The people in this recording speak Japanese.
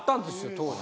当時。